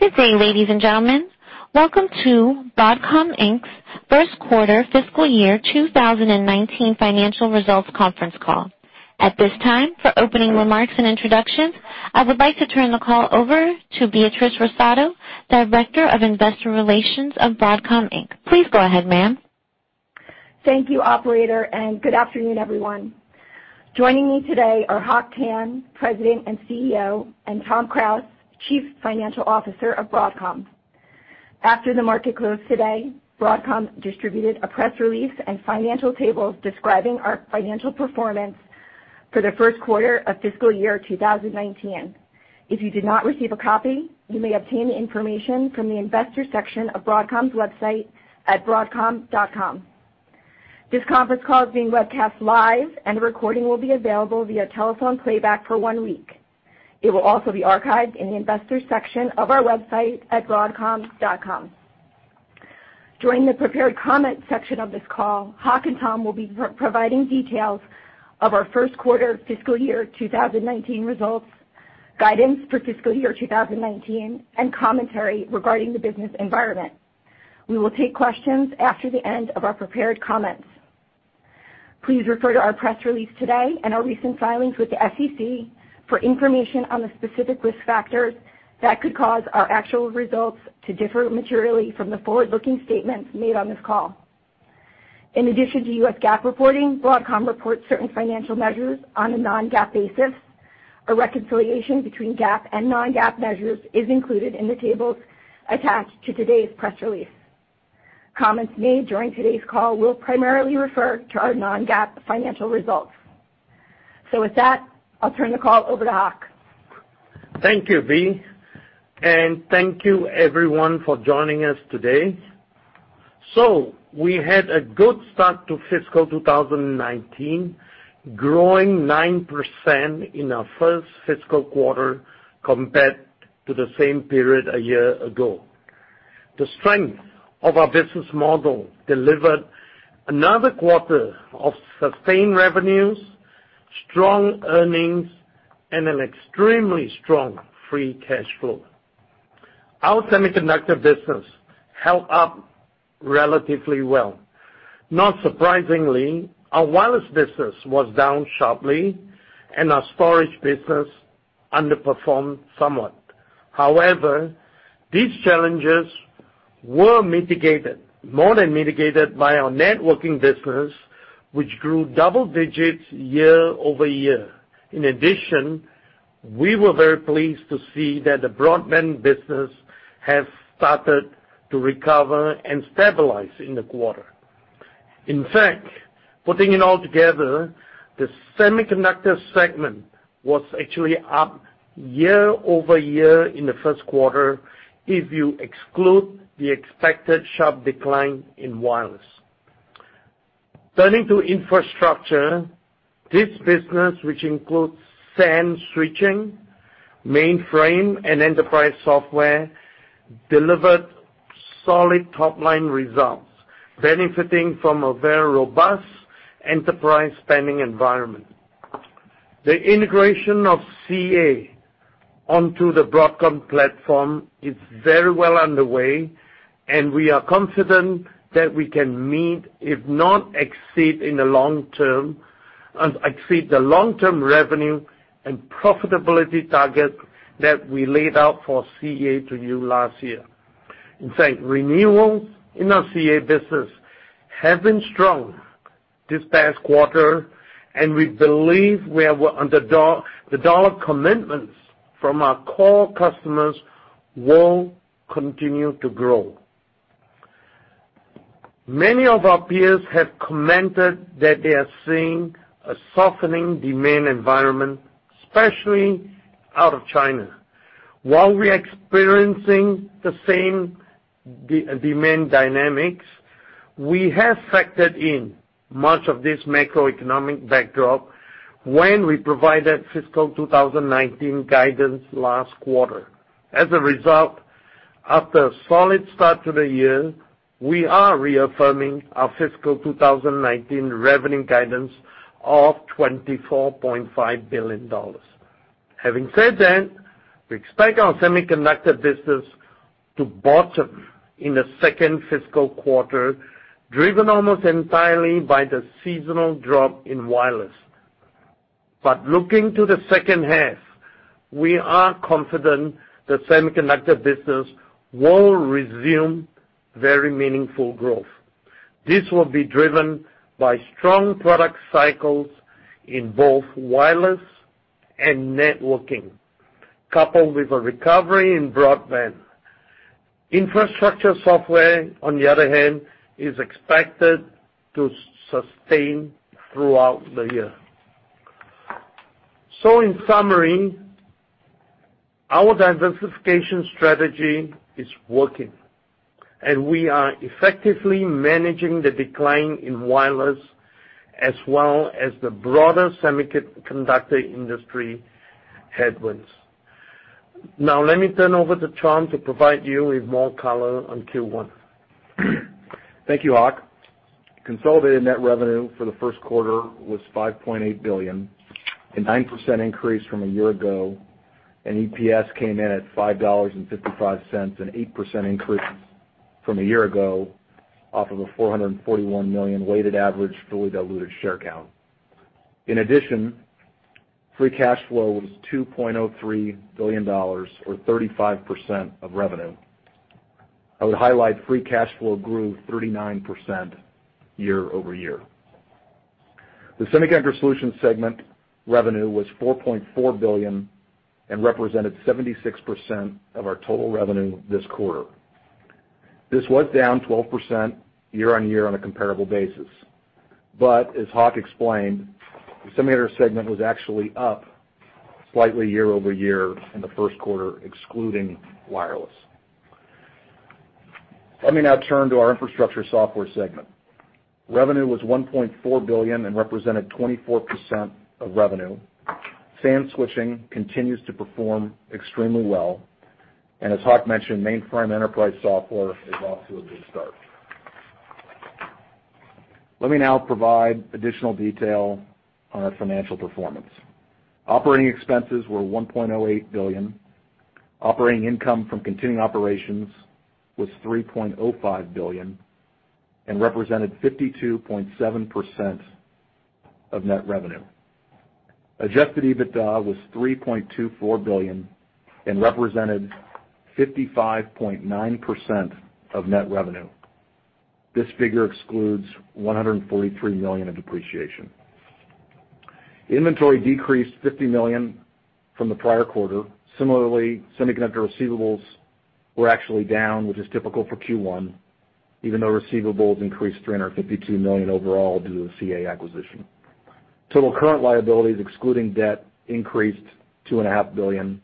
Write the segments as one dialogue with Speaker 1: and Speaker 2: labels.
Speaker 1: Good day, ladies and gentlemen. Welcome to Broadcom Inc.'s first quarter fiscal year 2019 financial results conference call. At this time, for opening remarks and introductions, I would like to turn the call over to Beatrice Russotto, Director of Investor Relations of Broadcom Inc. Please go ahead, ma'am.
Speaker 2: Thank you, operator, and good afternoon, everyone. Joining me today are Hock Tan, President and CEO, and Tom Krause, Chief Financial Officer of Broadcom. After the market closed today, Broadcom distributed a press release and financial tables describing our financial performance for the first quarter of fiscal year 2019. If you did not receive a copy, you may obtain the information from the investor section of Broadcom's website at broadcom.com. This conference call is being webcast live and a recording will be available via telephone playback for one week. It will also be archived in the investors section of our website at broadcom.com. During the prepared comments section of this call, Hock and Tom will be providing details of our first quarter fiscal year 2019 results, guidance for fiscal year 2019, and commentary regarding the business environment. We will take questions after the end of our prepared comments. Please refer to our press release today and our recent filings with the SEC for information on the specific risk factors that could cause our actual results to differ materially from the forward-looking statements made on this call. In addition to US GAAP reporting, Broadcom reports certain financial measures on a non-GAAP basis. A reconciliation between GAAP and non-GAAP measures is included in the tables attached to today's press release. Comments made during today's call will primarily refer to our non-GAAP financial results. With that, I'll turn the call over to Hock.
Speaker 3: Thank you, B, and thank you everyone for joining us today. We had a good start to fiscal 2019, growing 9% in our first fiscal quarter compared to the same period a year ago. The strength of our business model delivered another quarter of sustained revenues, strong earnings, and an extremely strong free cash flow. Our semiconductor business held up relatively well. Not surprisingly, our wireless business was down sharply, and our storage business underperformed somewhat. However, these challenges were more than mitigated by our networking business, which grew double digits year-over-year. In addition, we were very pleased to see that the broadband business has started to recover and stabilize in the quarter. In fact, putting it all together, the semiconductor segment was actually up year-over-year in the first quarter if you exclude the expected sharp decline in wireless. Turning to infrastructure, this business, which includes SAN switching, mainframe, and enterprise software, delivered solid top-line results, benefiting from a very robust enterprise spending environment. The integration of CA onto the Broadcom platform is very well underway. We are confident that we can meet, if not exceed the long-term revenue and profitability targets that we laid out for CA to you last year. In fact, renewals in our CA business have been strong this past quarter. We believe the dollar commitments from our core customers will continue to grow. Many of our peers have commented that they are seeing a softening demand environment, especially out of China. While we are experiencing the same demand dynamics, we have factored in much of this macroeconomic backdrop when we provided fiscal 2019 guidance last quarter. As a result, after a solid start to the year, we are reaffirming our fiscal 2019 revenue guidance of $24.5 billion. Having said that, we expect our Semiconductor Solutions business to bottom in the second fiscal quarter, driven almost entirely by the seasonal drop in wireless. Looking to the second half, we are confident the Semiconductor Solutions business will resume very meaningful growth. This will be driven by strong product cycles in both wireless and networking, coupled with a recovery in broadband. Infrastructure Software, on the other hand, is expected to sustain throughout the year. In summary, our diversification strategy is working. We are effectively managing the decline in wireless as well as the broader semiconductor industry headwinds. Now, let me turn over to Tom to provide you with more color on Q1.
Speaker 4: Thank you, Hock. Consolidated net revenue for the first quarter was $5.8 billion, a 9% increase from a year ago. EPS came in at $5.55, an 8% increase from a year ago off of a 441 million weighted average fully diluted share count. In addition, free cash flow was $2.03 billion, or 35% of revenue. I would highlight free cash flow grew 39% year-over-year. The Semiconductor Solutions segment revenue was $4.4 billion and represented 76% of our total revenue this quarter. This was down 12% year-over-year on a comparable basis. As Hock explained, the Semiconductor segment was actually up slightly year-over-year in the first quarter, excluding wireless. Let me now turn to our Infrastructure Software segment. Revenue was $1.4 billion and represented 24% of revenue. SAN switching continues to perform extremely well. As Hock mentioned, mainframe enterprise software is off to a good start. Let me now provide additional detail on our financial performance. Operating expenses were $1.08 billion. Operating income from continuing operations was $3.05 billion and represented 52.7% of net revenue. Adjusted EBITDA was $3.24 billion and represented 55.9% of net revenue. This figure excludes $143 million of depreciation. Inventory decreased $50 million from the prior quarter. Similarly, semiconductor receivables were actually down, which is typical for Q1, even though receivables increased $352 million overall due to the CA acquisition. Total current liabilities, excluding debt, increased two and a half billion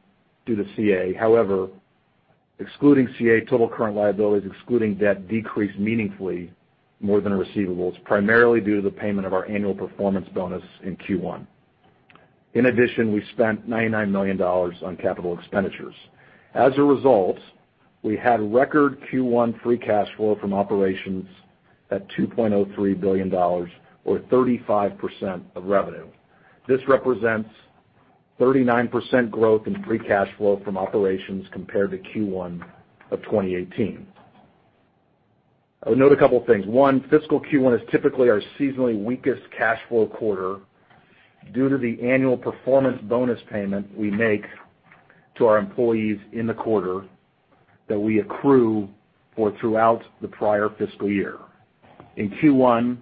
Speaker 4: due to CA. Excluding CA, total current liabilities, excluding debt, decreased meaningfully more than receivables, primarily due to the payment of our annual performance bonus in Q1. In addition, we spent $99 million on capital expenditures. As a result, we had record Q1 free cash flow from operations at $2.03 billion, or 35% of revenue. This represents 39% growth in free cash flow from operations compared to Q1 of 2018. I would note a couple of things. One, fiscal Q1 is typically our seasonally weakest cash flow quarter due to the annual performance bonus payment we make to our employees in the quarter that we accrue for throughout the prior fiscal year. In Q1,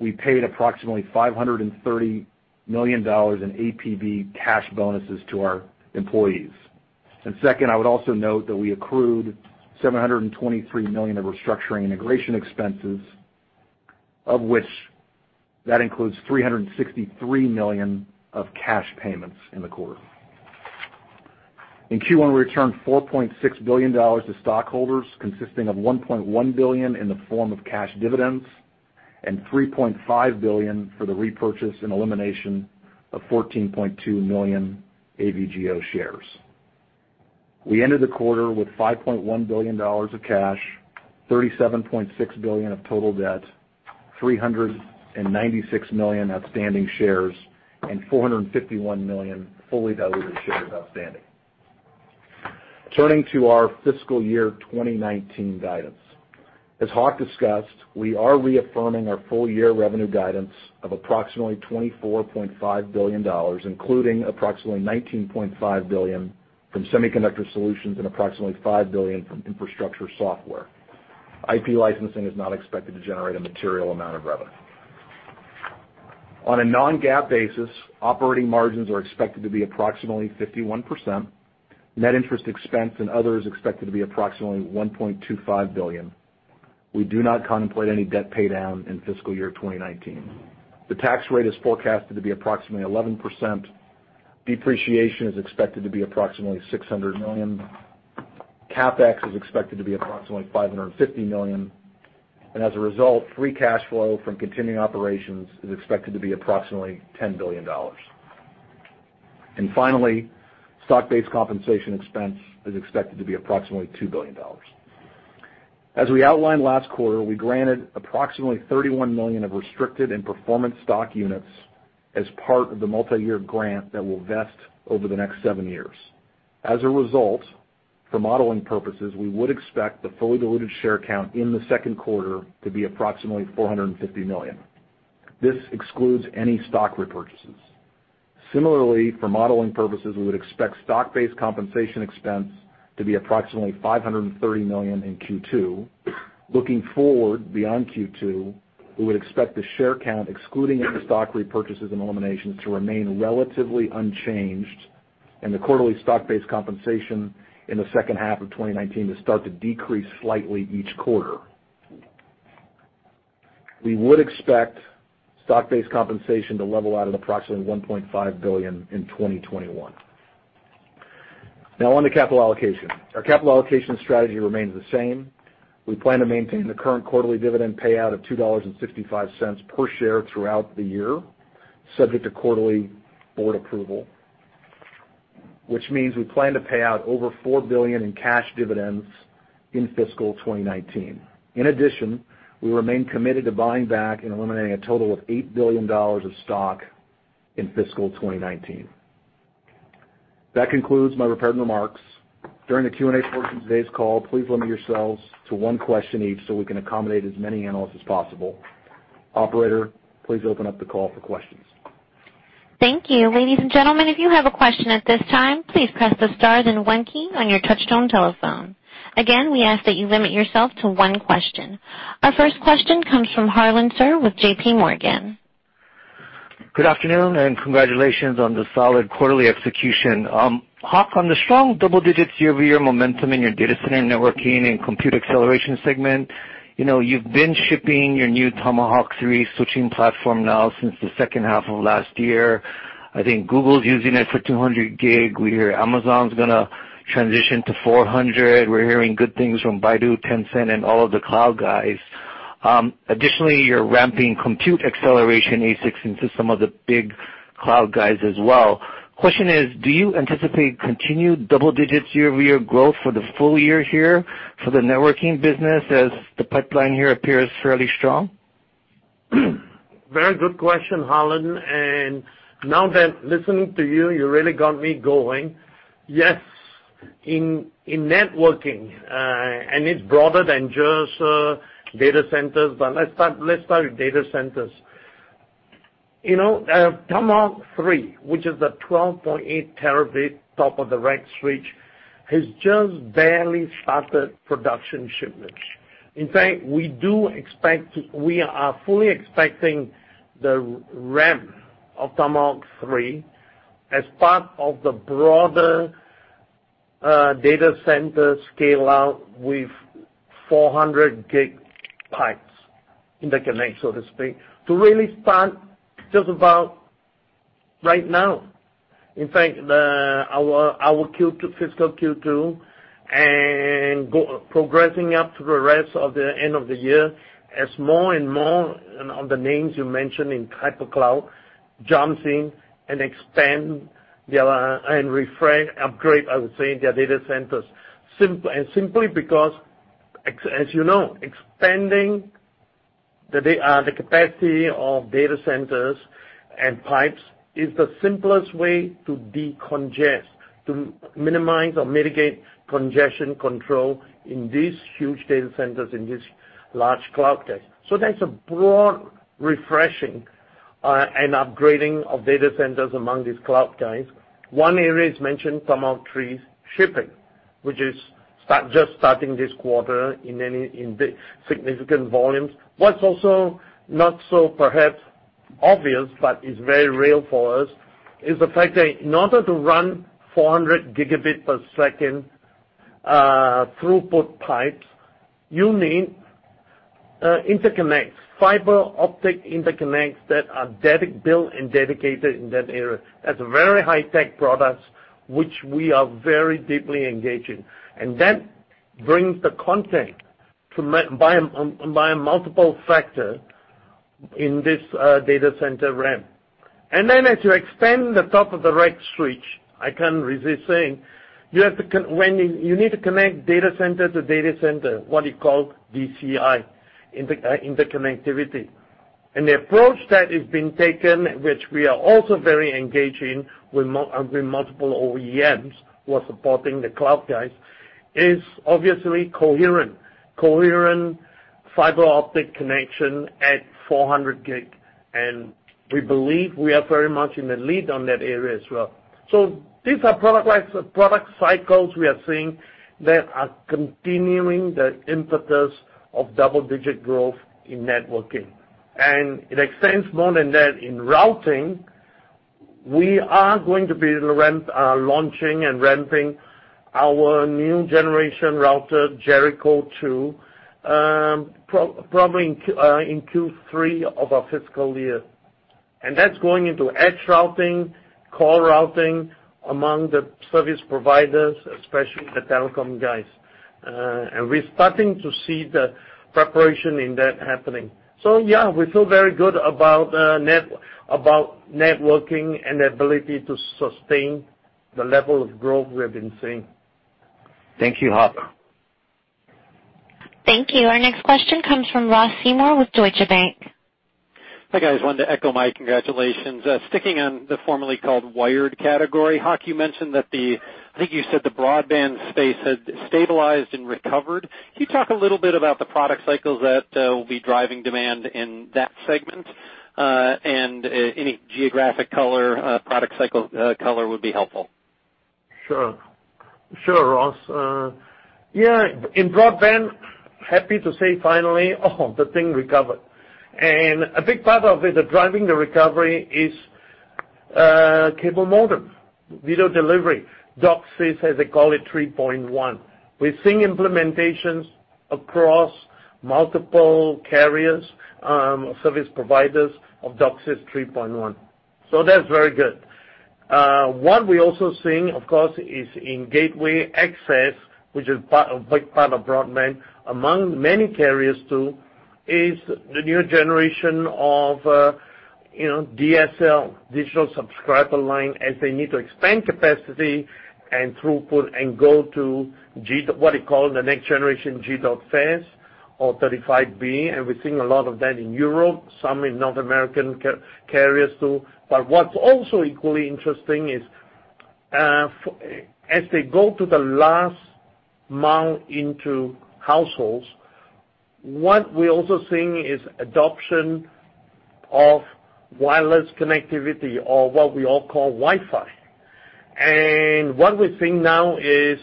Speaker 4: we paid approximately $530 million in APB cash bonuses to our employees. Second, I would also note that we accrued $723 million of restructuring integration expenses, of which that includes $363 million of cash payments in the quarter. In Q1, we returned $4.6 billion to stockholders, consisting of $1.1 billion in the form of cash dividends and $3.5 billion for the repurchase and elimination of 14.2 million AVGO shares. We ended the quarter with $5.1 billion of cash, $37.6 billion of total debt, 396 million outstanding shares, and 451 million fully diluted shares outstanding. Turning to our fiscal year 2019 guidance. As Hock discussed, we are reaffirming our full year revenue guidance of approximately $24.5 billion, including approximately $19.5 billion from Semiconductor Solutions and approximately $5 billion from Infrastructure Software. IP licensing is not expected to generate a material amount of revenue. On a non-GAAP basis, operating margins are expected to be approximately 51%. Net interest expense and other is expected to be approximately $1.25 billion. We do not contemplate any debt pay down in fiscal year 2019. The tax rate is forecasted to be approximately 11%. Depreciation is expected to be approximately $600 million. CapEx is expected to be approximately $550 million. As a result, free cash flow from continuing operations is expected to be approximately $10 billion. Finally, stock-based compensation expense is expected to be approximately $2 billion. As we outlined last quarter, we granted approximately 31 million of restricted and performance stock units as part of the multi-year grant that will vest over the next 7 years. As a result, for modeling purposes, we would expect the fully diluted share count in the second quarter to be approximately 450 million. This excludes any stock repurchases. Similarly, for modeling purposes, we would expect stock-based compensation expense to be approximately $530 million in Q2. Looking forward beyond Q2, we would expect the share count, excluding any stock repurchases and eliminations, to remain relatively unchanged and the quarterly stock-based compensation in the second half of 2019 to start to decrease slightly each quarter. We would expect stock-based compensation to level out at approximately $1.5 billion in 2021. Now on to capital allocation. Our capital allocation strategy remains the same. We plan to maintain the current quarterly dividend payout of $2.65 per share throughout the year, subject to quarterly board approval.
Speaker 3: We plan to pay out over $4 billion in cash dividends in fiscal 2019. In addition, we remain committed to buying back and eliminating a total of $8 billion of stock in fiscal 2019. That concludes my prepared remarks. During the Q&A portion of today's call, please limit yourselves to one question each so we can accommodate as many analysts as possible. Operator, please open up the call for questions.
Speaker 1: Thank you. Ladies and gentlemen, if you have a question at this time, please press the stars and one key on your touchtone telephone. Again, we ask that you limit yourself to one question. Our first question comes from Harlan Sur with J.P. Morgan.
Speaker 5: Good afternoon, and congratulations on the solid quarterly execution. Hock, on the strong double digits year-over-year momentum in your data center, networking, and compute acceleration segment, you've been shipping your new Tomahawk 3 switching platform now since the second half of last year. I think Google's using it for 200 gig. We hear Amazon's going to transition to 400. We're hearing good things from Baidu, Tencent, and all of the cloud guys. Additionally, you're ramping compute acceleration ASICs into some of the big cloud guys as well. Question is, do you anticipate continued double digits year-over-year growth for the full year here for the networking business as the pipeline here appears fairly strong?
Speaker 3: Very good question, Harlan. Now that listening to you really got me going. Yes, in networking, it's broader than just data centers, but let's start with data centers. Tomahawk 3, which is the 12.8 terabit top of the rack switch, has just barely started production shipments. In fact, we are fully expecting the ramp of Tomahawk 3 as part of the broader data center scale-out with 400 gig pipes interconnect, so to speak, to really start just about right now. In fact, our fiscal Q2 and progressing up to the rest of the end of the year, as more and more of the names you mentioned in hypercloud jumps in and expand and refresh, upgrade, I would say, their data centers. Simply because, as you know, expanding the capacity of data centers and pipes is the simplest way to decongest, to minimize or mitigate congestion control in these huge data centers, in these large cloud types. That's a broad refreshing and upgrading of data centers among these cloud guys. One area is mentioned, Tomahawk 3's shipping, which is just starting this quarter in significant volumes. What's also not so perhaps obvious but is very real for us is the fact that in order to run 400 gigabit per second throughput pipes, you need interconnects, fiber optic interconnects that are built and dedicated in that area. That's a very high-tech product, which we are very deeply engaged in. That brings the content by a multiple factor in this data center ramp. As you expand the top of the rack switch, I can't resist saying, you need to connect data center to data center, what you call DCI, interconnectivity. The approach that is being taken, which we are also very engaged in with multiple OEMs who are supporting the cloud guys, is obviously coherent. Coherent fiber optic connection at 400 gig. We believe we are very much in the lead on that area as well. These are product cycles we are seeing that are continuing the impetus of double-digit growth in networking. It extends more than that in routing. We are going to be launching and ramping our new generation router, Jericho 2, probably in Q3 of our fiscal year. That's going into edge routing, core routing among the service providers, especially the telecom guys. We're starting to see the preparation in that happening. Yeah, we feel very good about networking and the ability to sustain the level of growth we have been seeing.
Speaker 5: Thank you, Hock.
Speaker 1: Thank you. Our next question comes from Ross Seymore with Deutsche Bank.
Speaker 6: Hi, guys. Wanted to echo Mike. Congratulations. Sticking on the formerly called wired category, Hock, you mentioned that the, I think you said the broadband space had stabilized and recovered. Can you talk a little bit about the product cycles that will be driving demand in that segment? Any geographic color, product cycle color would be helpful.
Speaker 3: Sure. Sure, Ross. In broadband, happy to say finally, the thing recovered. A big part of it, driving the recovery is cable modem, video delivery. DOCSIS, as they call it, 3.1. We're seeing implementations across multiple carriers, service providers of DOCSIS 3.1. That's very good. What we're also seeing, of course, is in gateway access, which is a big part of broadband, among many carriers too. Is the new generation of DSL, digital subscriber line, as they need to expand capacity and throughput and go to what you call the next generation G.fast or 35b, and we're seeing a lot of that in Europe, some in North American carriers too. What's also equally interesting is, as they go to the last mile into households, what we're also seeing is adoption of wireless connectivity or what we all call Wi-Fi. What we're seeing now is,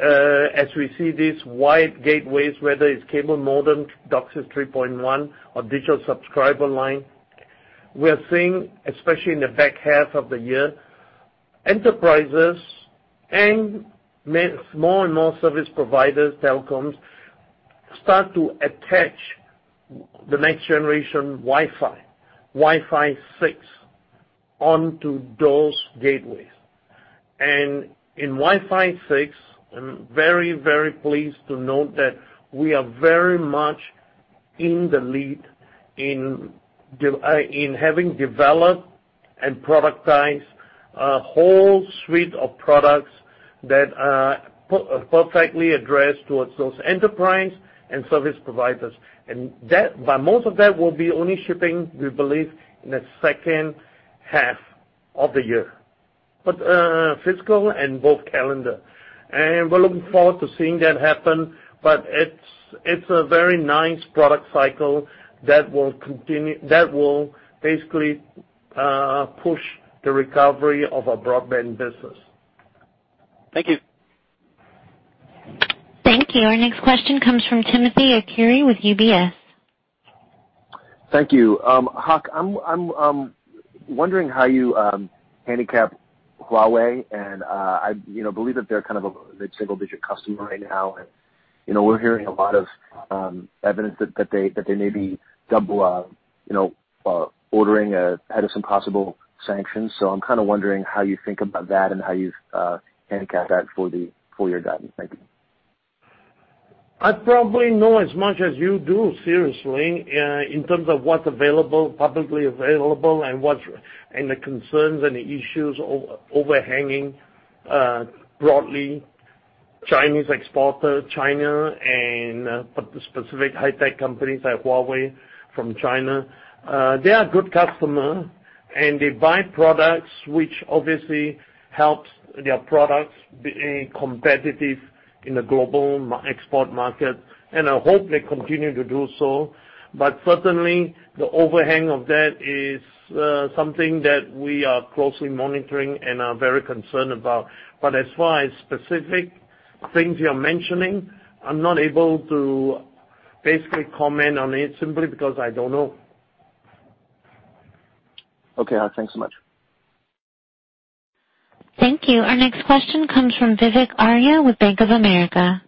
Speaker 3: as we see these wide gateways, whether it's cable modem, DOCSIS 3.1 or digital subscriber line, we are seeing, especially in the back half of the year, enterprises and more and more service providers, telecoms, start to attach the next generation Wi-Fi, Wi-Fi 6, onto those gateways. In Wi-Fi 6, I'm very, very pleased to note that we are very much in the lead in having developed and productized a whole suite of products that are perfectly addressed towards those enterprise and service providers. Most of that will be only shipping, we believe, in the second half of the year, both fiscal and calendar. We're looking forward to seeing that happen, but it's a very nice product cycle that will basically push the recovery of our broadband business.
Speaker 6: Thank you.
Speaker 1: Thank you. Our next question comes from Timothy Arcuri with UBS.
Speaker 7: Thank you. Hock, I'm wondering how you handicap Huawei. I believe that they're kind of a mid-single digit customer right now. We're hearing a lot of evidence that they may be double ordering ahead of some possible sanctions. I'm kind of wondering how you think about that and how you handicap that for your guidance. Thank you.
Speaker 3: I probably know as much as you do, seriously, in terms of what's available, publicly available, the concerns and the issues overhanging broadly Chinese exporter, China, specific high tech companies like Huawei from China. They are a good customer, they buy products, which obviously helps their products being competitive in the global export market. I hope they continue to do so. Certainly, the overhang of that is something that we are closely monitoring and are very concerned about. As far as specific things you're mentioning, I'm not able to basically comment on it simply because I don't know.
Speaker 7: Okay. Hock, thanks so much.
Speaker 1: Thank you. Our next question comes from Vivek Arya with Bank of America.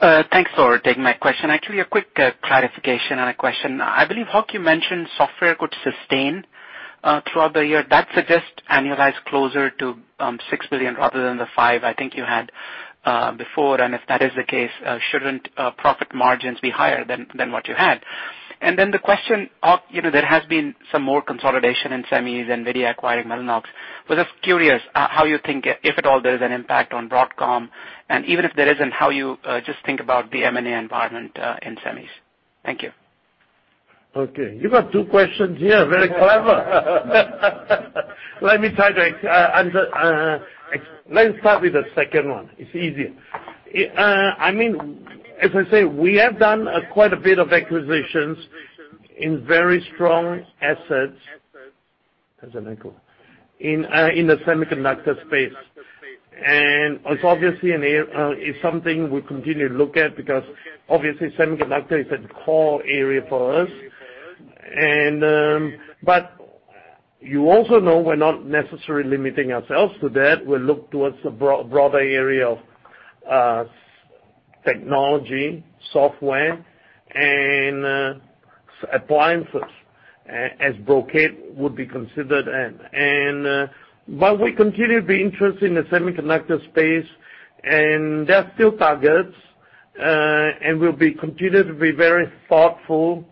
Speaker 8: Thanks for taking my question. Actually, a quick clarification on a question. I believe, Hock, you mentioned software could sustain throughout the year. That suggests annualized closer to $6 billion rather than the five I think you had before. If that is the case, shouldn't profit margins be higher than what you had? Then the question, there has been some more consolidation in semis and NVIDIA acquiring Mellanox. Was just curious how you think, if at all, there is an impact on Broadcom, and even if there isn't, how you just think about the M&A environment in semis. Thank you.
Speaker 3: Okay. You got two questions here, very clever. Let me start with the second one. It's easier. As I say, we have done quite a bit of acquisitions in very strong assets in the semiconductor space. It's obviously something we continue to look at because obviously semiconductor is a core area for us. You also know we're not necessarily limiting ourselves to that. We look towards the broader area of technology, software, and appliances as Brocade would be considered in. We continue to be interested in the semiconductor space, and they are still targets. We'll be continued to be very thoughtful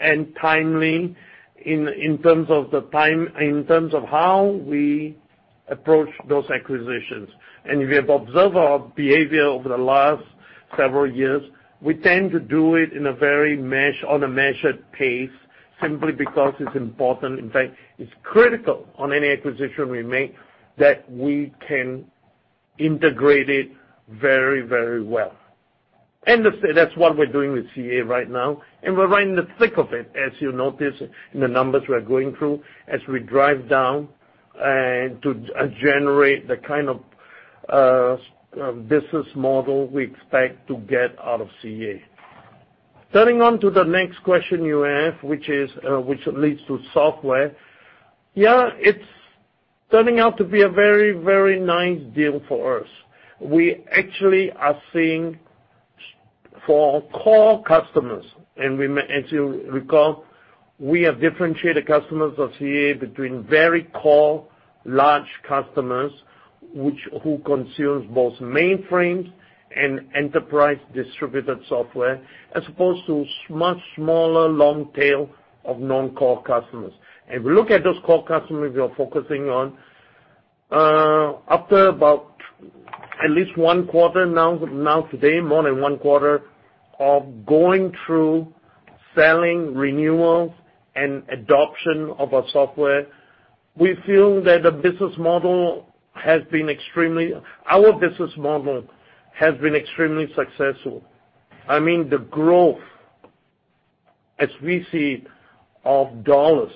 Speaker 3: and timely in terms of how we approach those acquisitions. If you have observed our behavior over the last several years, we tend to do it on a measured pace simply because it's important. In fact, it's critical on any acquisition we make that we can integrate it very, very well. That's what we're doing with CA right now, we're right in the thick of it, as you notice in the numbers we are going through as we drive down to generate the kind of business model we expect to get out of CA. Turning on to the next question you have, which leads to software. Yeah, it's turning out to be a very, very nice deal for us. We actually are seeing for our core customers, and as you recall, we have differentiated customers of CA between very core large customers who consume both mainframes and enterprise distributed software, as opposed to much smaller long tail of non-core customers. If you look at those core customers we are focusing on, after about at least one quarter now, today more than one quarter of going through selling renewals and adoption of our software, we feel that our business model has been extremely successful. I mean, the growth, as we see of $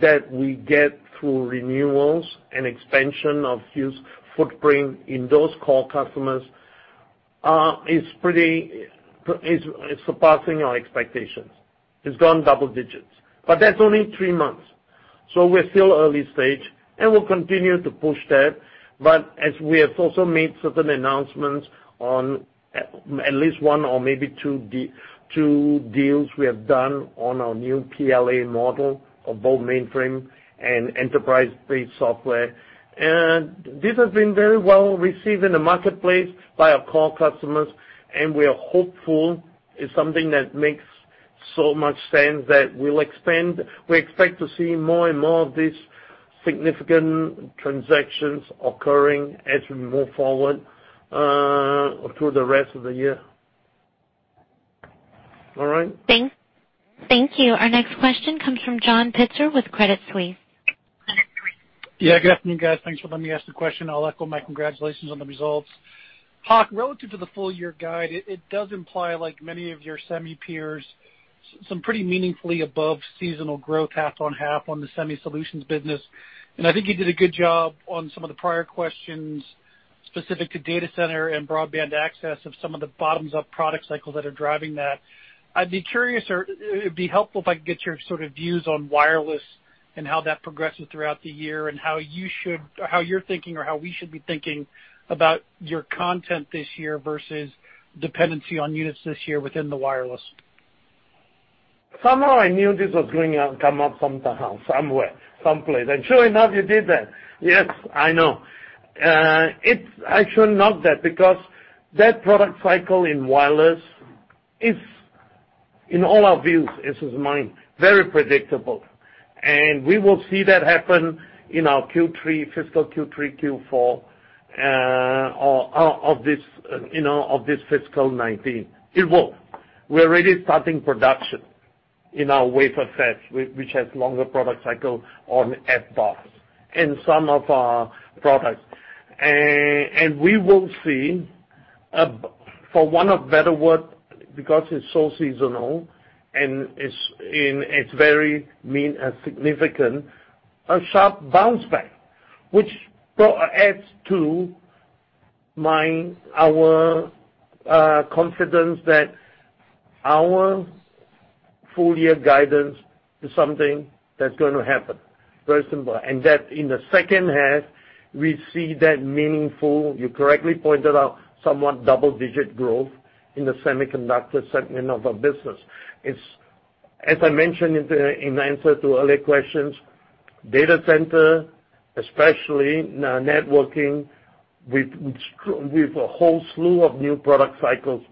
Speaker 3: that we get through renewals and expansion of huge footprint in those core customers is surpassing our expectations. It's gone double digits. That's only three months, so we're still early stage, we'll continue to push that. As we have also made certain announcements on at least one or maybe two deals we have done on our new PLA model of both mainframe and enterprise-based software. This has been very well received in the marketplace by our core customers, and we are hopeful it's something that makes so much sense that we'll expand. We expect to see more and more of these significant transactions occurring as we move forward through the rest of the year. All right.
Speaker 1: Thank you. Our next question comes from John Pitzer with Credit Suisse.
Speaker 9: Good afternoon, guys. Thanks for letting me ask the question. I'll echo my congratulations on the results. Hock, relative to the full year guide, it does imply like many of your semi peers, some pretty meaningfully above seasonal growth half on half on the Semiconductor Solutions business. I think you did a good job on some of the prior questions specific to data center and broadband access of some of the bottoms up product cycles that are driving that. I'd be curious, or it'd be helpful if I could get your sort of views on wireless and how that progresses throughout the year, and how you're thinking or how we should be thinking about your content this year versus dependency on units this year within the wireless.
Speaker 3: Somehow I knew this was going to come up sometime, somewhere, some place. Sure enough, you did that. Yes, I know. I should note that because that product cycle in wireless is, in all our views, this is mine, very predictable. We will see that happen in our fiscal Q3, Q4 of this fiscal 2019. It will. We're already starting production in our wafer fab, which has longer product cycle on FBARs and some of our products. We will see, for want of better word, because it's so seasonal and it's very meaningful and significant, a sharp bounce back, which adds to our confidence that our full year guidance is something that's going to happen. Very simple. That in the second half, we see that meaningful, you correctly pointed out, somewhat double-digit growth in the semiconductor segment of our business. As I mentioned in answer to earlier questions, data center, especially networking with a whole slew of new product cycles,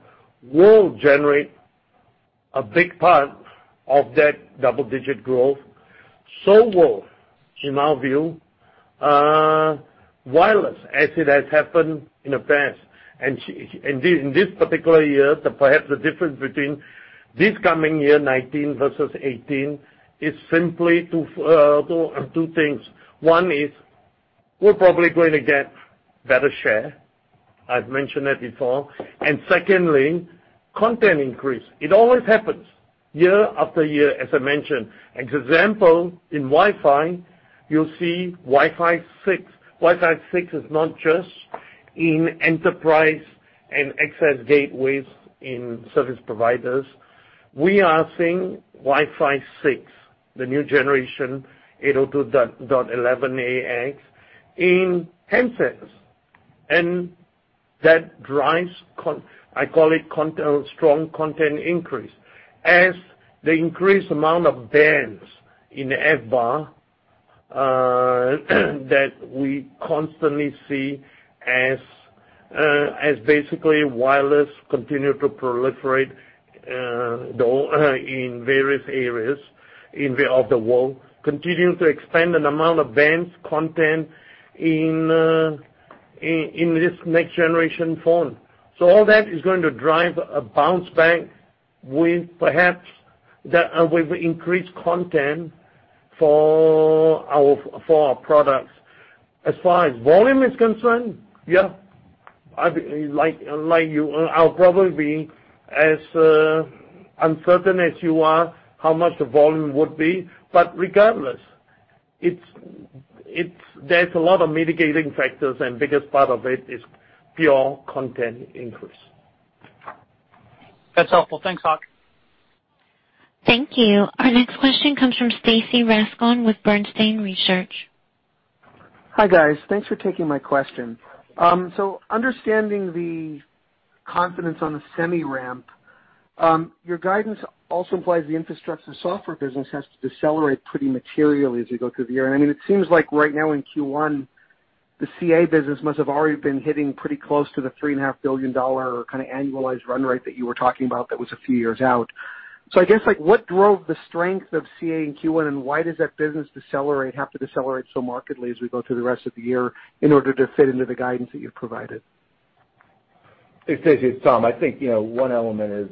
Speaker 3: will generate a big part of that double-digit growth. So will, in our view, wireless as it has happened in the past. In this particular year, perhaps the difference between this coming year 2019 versus 2018 is simply two things. One is we're probably going to get better share. I've mentioned that before. Secondly, content increase. It always happens year-after-year, as I mentioned. As example, in Wi-Fi, you'll see Wi-Fi 6. Wi-Fi 6 is not just in enterprise and access gateways in service providers. We are seeing Wi-Fi 6, the new generation 802.11ax, in handsets. That drives, I call it strong content increase. As the increased amount of bands in FBAR that we constantly see as basically wireless continue to proliferate in various areas of the world, continuing to expand an amount of bands content in this next generation phone. All that is going to drive a bounce back with perhaps increased content for our products. As far as volume is concerned, like you, I'll probably be as uncertain as you are how much the volume would be. Regardless, there's a lot of mitigating factors, and biggest part of it is pure content increase.
Speaker 9: That's helpful. Thanks, Hock.
Speaker 1: Thank you. Our next question comes from Stacy Rasgon with Bernstein Research.
Speaker 10: Understanding the confidence on the semi ramp, your guidance also implies the Infrastructure Software business has to decelerate pretty materially as you go through the year. And it seems like right now in Q1, the CA business must have already been hitting pretty close to the $3.5 billion kind of annualized run rate that you were talking about that was a few years out. I guess, what drove the strength of CA in Q1, and why does that business have to decelerate so markedly as we go through the rest of the year in order to fit into the guidance that you've provided?
Speaker 4: Hey Stacy, it's Tom. I think, one element is,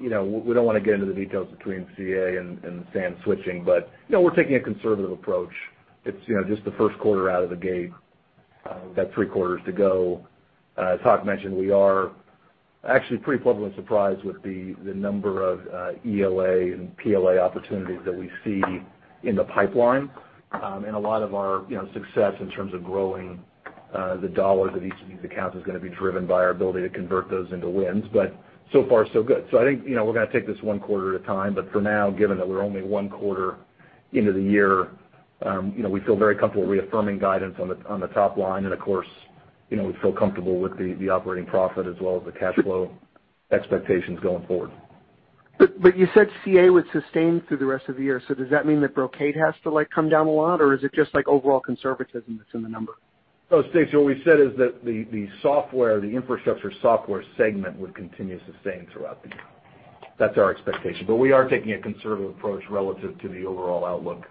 Speaker 4: we don't want to get into the details between CA and SAN switching, but we're taking a conservative approach. It's just the first quarter out of the gate. We've got three quarters to go. As Hock mentioned, we are actually pretty pleasantly surprised with the number of ELA and PLA opportunities that we see in the pipeline. A lot of our success in terms of growing the dollars of each of these accounts is going to be driven by our ability to convert those into wins. So far so good. I think, we're going to take this one quarter at a time, but for now, given that we're only one quarter into the year, we feel very comfortable reaffirming guidance on the top line. Of course, we feel comfortable with the operating profit as well as the cash flow expectations going forward.
Speaker 10: You said CA would sustain through the rest of the year. Does that mean that Brocade has to come down a lot? Is it just overall conservatism that's in the number?
Speaker 4: Stacy, what we said is that the Infrastructure Software segment would continue sustaining throughout the year. That's our expectation, but we are taking a conservative approach relative to the overall outlook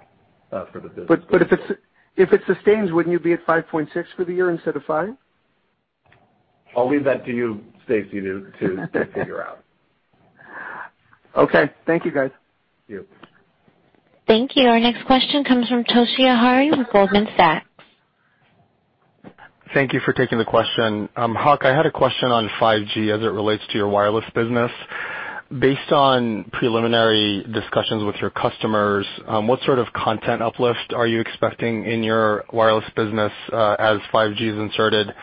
Speaker 4: for the business.
Speaker 10: If it sustains, wouldn't you be at 5.6 for the year instead of five?
Speaker 4: I'll leave that to you, Stacy, to figure out.
Speaker 10: Okay. Thank you guys.
Speaker 4: Thank you.
Speaker 1: Thank you. Our next question comes from Toshiya Hari with Goldman Sachs.
Speaker 11: Thank you for taking the question. Hock, I had a question on 5G as it relates to your wireless business. Based on preliminary discussions with your customers, what sort of content uplift are you expecting in your wireless business as 5G is inserted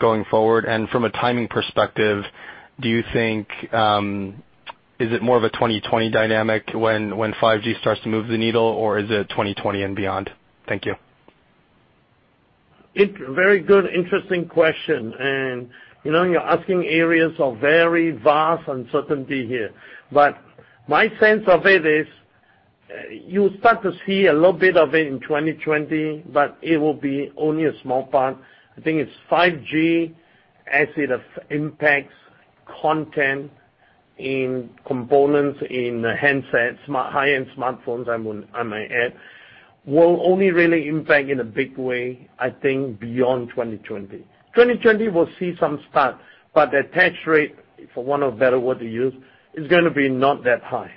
Speaker 11: going forward? From a timing perspective, do you think, is it more of a 2020 dynamic when 5G starts to move the needle, or is it 2020 and beyond? Thank you.
Speaker 3: It's a very good, interesting question. You're asking areas of very vast uncertainty here. My sense of it is, you'll start to see a little bit of it in 2020, but it will be only a small part. I think it's 5G as it impacts content in components in handsets, high-end smartphones, I might add, will only really impact in a big way, I think, beyond 2020. 2020 will see some start, but the attach rate, for want of a better word to use, is going to be not that high.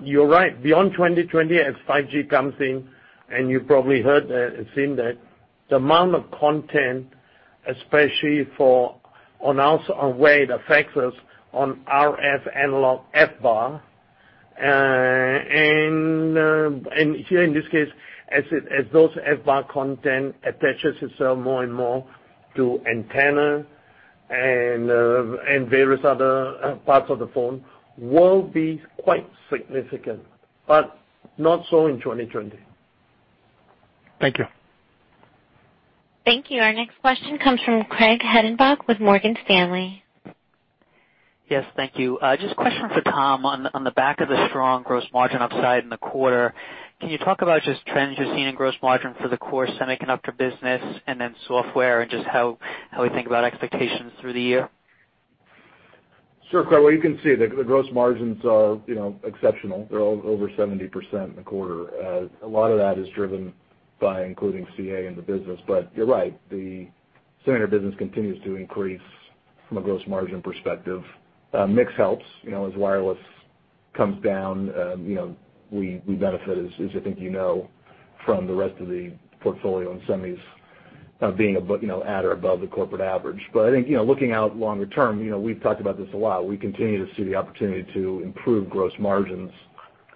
Speaker 3: You're right. Beyond 2020, as 5G comes in, and you probably heard that, it seemed that the amount of content, especially for on us, on way it affects us on RF analog FBAR. Here in this case, as those FBAR content attaches itself more and more to antenna and various other parts of the phone, will be quite significant, but not so in 2020.
Speaker 11: Thank you.
Speaker 1: Thank you. Our next question comes from Craig Hettenbach with Morgan Stanley.
Speaker 12: Yes, thank you. Just a question for Tom on the back of the strong gross margin upside in the quarter. Can you talk about just trends you're seeing in gross margin for the core semiconductor business and then software and just how we think about expectations through the year?
Speaker 4: Sure, Craig. Well, you can see the gross margins are exceptional. They're over 70% in the quarter. A lot of that is driven by including CA in the business. You're right, the standard business continues to increase from a gross margin perspective. Mix helps. As wireless comes down, we benefit as I think you know from the rest of the portfolio and semis being at or above the corporate average. I think, looking out longer term, we've talked about this a lot. We continue to see the opportunity to improve gross margins,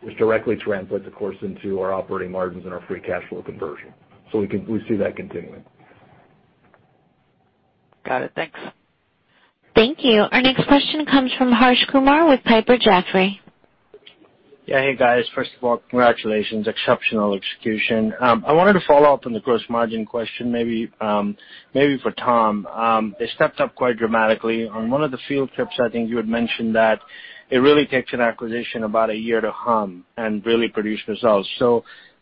Speaker 4: which directly translates, of course, into our operating margins and our free cash flow conversion. We see that continuing.
Speaker 12: Got it. Thanks.
Speaker 1: Thank you. Our next question comes from Harsh Kumar with Piper Jaffray.
Speaker 13: Yeah. Hey, guys. First of all, congratulations. Exceptional execution. I wanted to follow up on the gross margin question, maybe for Tom. It stepped up quite dramatically. On one of the field trips, I think you had mentioned that it really takes an acquisition about a year to hum and really produce results.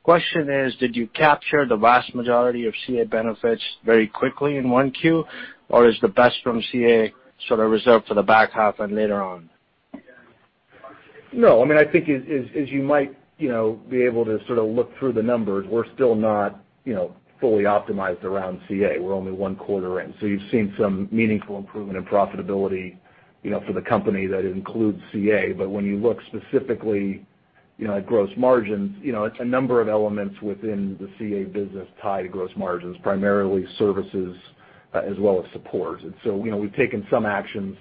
Speaker 13: Question is, did you capture the vast majority of CA benefits very quickly in 1Q, or is the best from CA sort of reserved for the back half and later on?
Speaker 4: No, I think as you might be able to sort of look through the numbers, we're still not fully optimized around CA. We're only one quarter in. You've seen some meaningful improvement in profitability for the company that includes CA. When you look specifically at gross margins, it's a number of elements within the CA business tied to gross margins, primarily services as well as support. We've taken some actions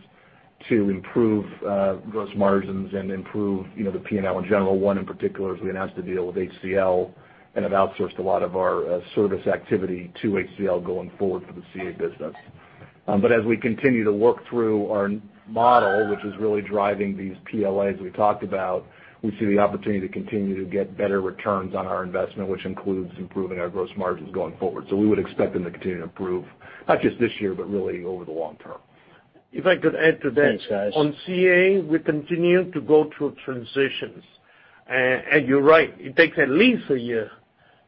Speaker 4: to improve gross margins and improve the P&L in general. One in particular is we announced a deal with HCL and have outsourced a lot of our service activity to HCL going forward for the CA business. As we continue to work through our model, which is really driving these PLAs we talked about, we see the opportunity to continue to get better returns on our investment, which includes improving our gross margins going forward. We would expect them to continue to improve, not just this year, but really over the long term.
Speaker 3: If I could add to that.
Speaker 1: Thanks, guys.
Speaker 3: On CA, we continue to go through transitions. You're right, it takes at least a year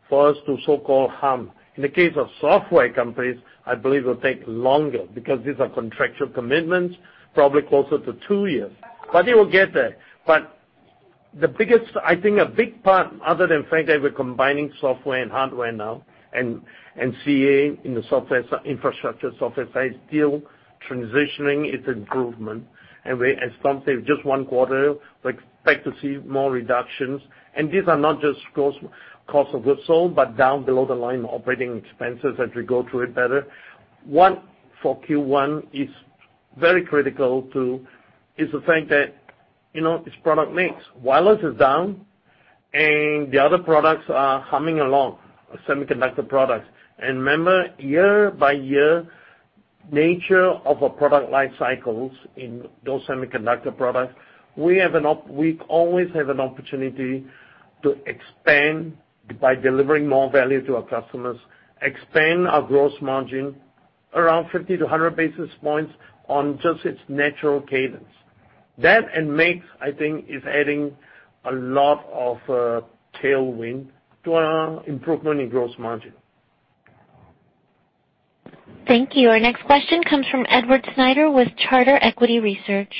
Speaker 3: for us to so-called hum. In the case of software companies, I believe it will take longer because these are contractual commitments, probably closer to two years. It will get there. I think a big part, other than the fact that we're combining software and hardware now, and CA in the Infrastructure Software side, still transitioning its improvement. At some stage, just one quarter, we expect to see more reductions. These are not just cost of goods sold, but down below the line operating expenses as we go through it better. One for Q1 is very critical, is the fact that it's product mix. Wireless is down and the other products are humming along, semiconductor products. Remember, year-by-year, nature of a product life cycles in those semiconductor products, we always have an opportunity to expand by delivering more value to our customers, expand our gross margin around 50-100 basis points on just its natural cadence. That, and mix, I think, is adding a lot of tailwind to our improvement in gross margin.
Speaker 1: Thank you. Our next question comes from Edward Snyder with Charter Equity Research.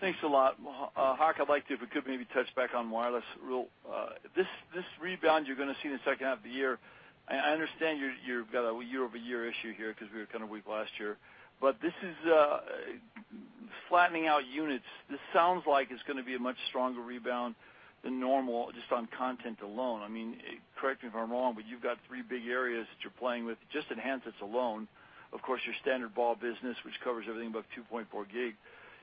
Speaker 14: Thanks a lot. Hock, I'd like to, if we could maybe touch back on wireless. This rebound you're gonna see in the second half of the year, I understand you've got a year-over-year issue here because we were kind of weak last year. This is flattening out units. This sounds like it's gonna be a much stronger rebound than normal just on content alone. Correct me if I'm wrong, but you've got three big areas that you're playing with, just enhances alone. Of course, your standard ball business, which covers everything above 2.4 gig.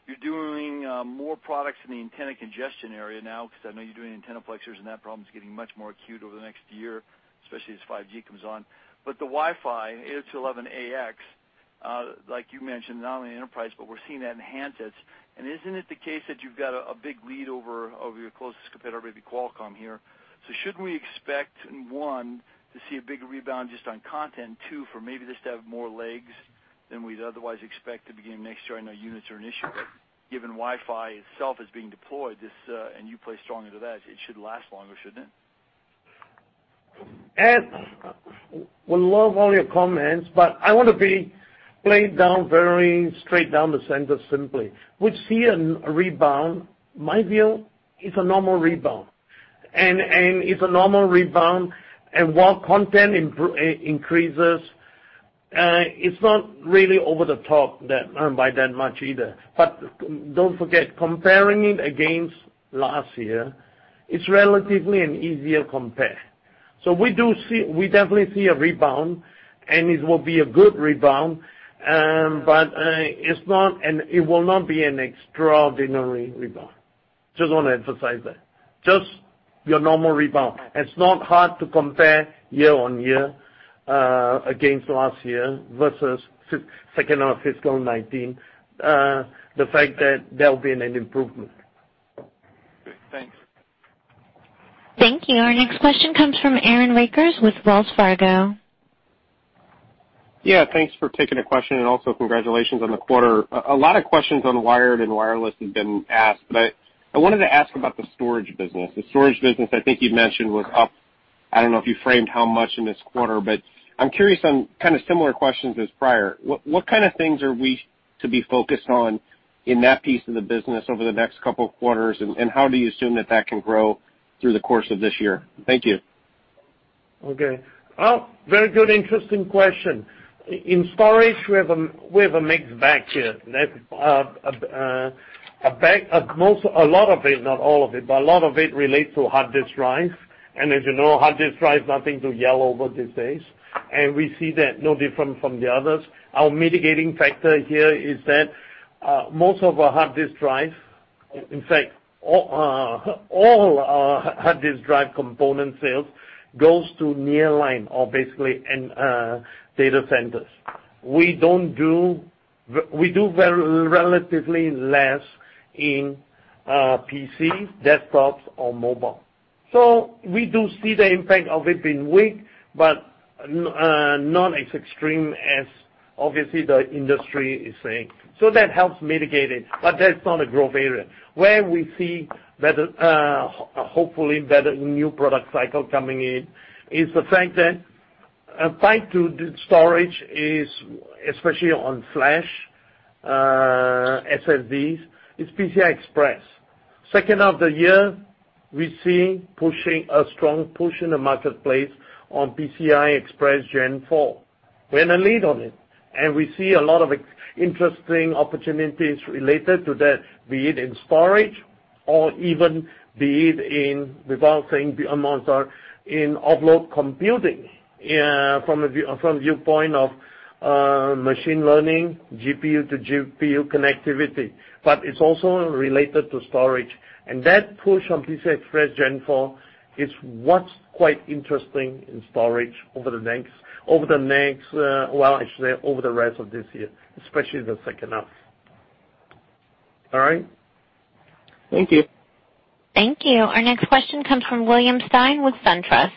Speaker 14: You're doing more products in the antenna congestion area now, because I know you're doing antenna flexures and that problem's getting much more acute over the next year, especially as 5G comes on. The Wi-Fi, 802.11ax, like you mentioned, not only enterprise, but we're seeing that in handsets. Isn't it the case that you've got a big lead over your closest competitor, maybe Qualcomm here. Should we expect, 1, to see a bigger rebound just on content, 2, for maybe this to have more legs than we'd otherwise expect at the beginning of next year? I know units are an issue, but given Wi-Fi itself is being deployed, and you play stronger to that, it should last longer, shouldn't it?
Speaker 3: Ed, we love all your comments, but I want to be very straight down the center simply. We see a rebound. My view, it's a normal rebound. It's a normal rebound, and while content increases, it's not really over the top by that much either. Don't forget, comparing it against last year, it's relatively an easier compare. We definitely see a rebound, and it will be a good rebound, but it will not be an extraordinary rebound. Just want to emphasize that. Just your normal rebound. It's not hard to compare year-on-year, against last year versus second half fiscal 2019, the fact that there'll be an improvement.
Speaker 14: Great. Thanks.
Speaker 1: Thank you. Our next question comes from Aaron Rakers with Wells Fargo.
Speaker 15: Yeah. Thanks for taking the question, and also congratulations on the quarter. A lot of questions on wired and wireless have been asked, but I wanted to ask about the storage business. The storage business I think you'd mentioned was up, I don't know if you framed how much in this quarter, but I'm curious on kind of similar questions as prior. What kind of things are we to be focused on in that piece of the business over the next couple of quarters, and how do you assume that that can grow through the course of this year? Thank you.
Speaker 3: Okay. Very good, interesting question. In storage, we have a mixed bag here. A lot of it, not all of it, but a lot of it relates to hard disk drives. As you know, hard disk drives, nothing to yell over these days. We see that no different from the others. Our mitigating factor here is that most of our hard disk drive, in fact, all our hard disk drive component sales goes to nearline or basically data centers. We do relatively less in PC, desktops or mobile. We do see the impact of it being weak, but not as extreme as obviously the industry is saying. That helps mitigate it, but that's not a growth area. Where we see hopefully better new product cycle coming in is the fact that a tie to the storage is, especially on flash, SSDs, is PCI Express. Second half of the year, we're seeing a strong push in the marketplace on PCI Express Gen 4. We're in a lead on it. We see a lot of interesting opportunities related to that, be it in storage or even be it in, without saying beyond monster, in offload computing from viewpoint of machine learning, GPU to GPU connectivity. It's also related to storage. That push on PCI Express Gen 4 is what's quite interesting in storage over the next, well, I should say over the rest of this year, especially the second half. All right. Thank you.
Speaker 1: Thank you. Our next question comes from William Stein with SunTrust.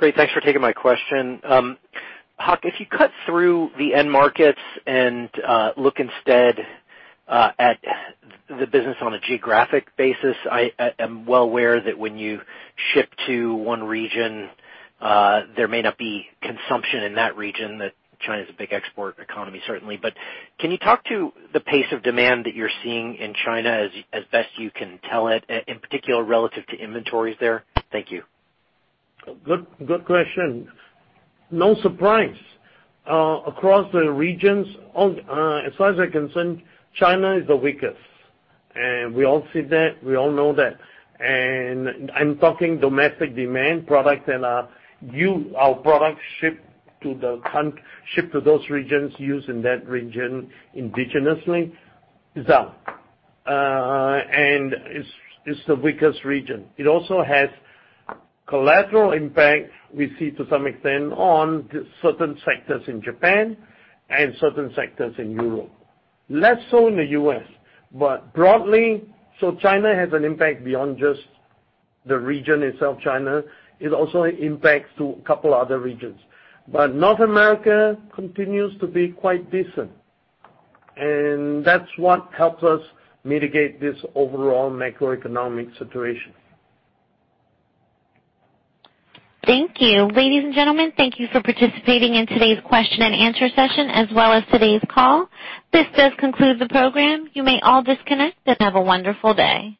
Speaker 16: Great. Thanks for taking my question. Hock, if you cut through the end markets and look instead at the business on a geographic basis, I am well aware that when you ship to one region, there may not be consumption in that region, that China is a big export economy, certainly. Can you talk to the pace of demand that you're seeing in China as best you can tell it, in particular, relative to inventories there? Thank you.
Speaker 3: Good question. No surprise. Across the regions, as far as I'm concerned, China is the weakest, we all see that, we all know that. I'm talking domestic demand product and our product shipped to those regions used in that region indigenously is down. It's the weakest region. It also has collateral impact we see to some extent on certain sectors in Japan and certain sectors in Europe. Less so in the U.S., but broadly, so China has an impact beyond just the region itself, China, it also impacts to a couple other regions. North America continues to be quite decent, and that's what helps us mitigate this overall macroeconomic situation.
Speaker 1: Thank you. Ladies and gentlemen, thank you for participating in today's question and answer session as well as today's call. This does conclude the program. You may all disconnect and have a wonderful day.